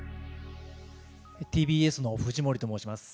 ＴＢＳの藤森ともうします。